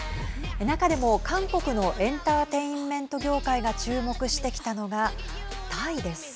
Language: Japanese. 中でも韓国のエンターテインメント業界が注目してきたのがタイです。